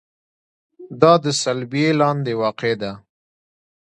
دا د صلبیې لاندې واقع ده.